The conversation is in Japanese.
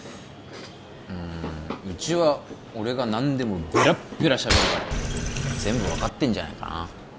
うんうちは俺が何でもベラッベラしゃべるから全部分かってんじゃないかな